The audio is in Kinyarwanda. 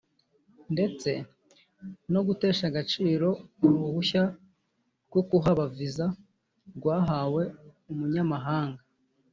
ndetse no gutesha agaciro uruhushya rwo kuhaba (Visa) rwahawe umunyamahanga